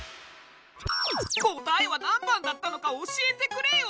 答えは何番だったのか教えてくれよ！